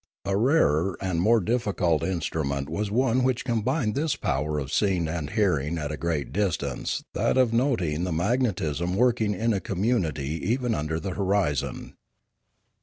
A rarer and more difficult instrument was one which combined with this power of seeing and hearing at a great distance that of noting the magnetism working in a community even under the horizon.